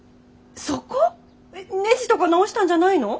えっネジとか直したんじゃないの？